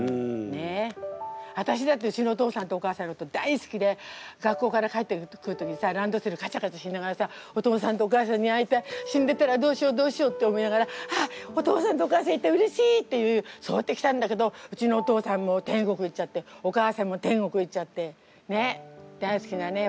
ねえわたしだってうちのお父さんとお母さんのこと大好きで学校から帰ってくる時にさランドセルカチャカチャしながらさお父さんとお母さんに会いたい死んでたらどうしようどうしようって思いながらああお父さんとお母さんいてうれしい！っていうそうやってきたんだけどうちのお父さんも天国行っちゃってお母さんも天国行っちゃってねっ大好きなね